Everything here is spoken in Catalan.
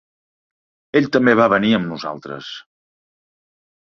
Ell també va venir amb nosaltres.